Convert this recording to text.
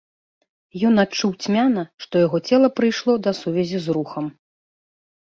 Ён адчуў цьмяна, што яго цела прыйшло да сувязі з рухам.